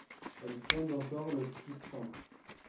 Elle fonde encore l'Hospice St.